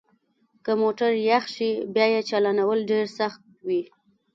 که موټر یخ شي بیا یې چالانول ډیر سخت وي